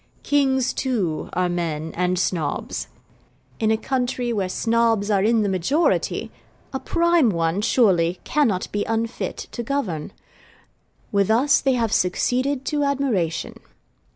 Kings, too, are men and Snobs. In a country where Snobs are in the majority, a prime one, surely, cannot be unfit to govern. With us they have succeeded to admiration.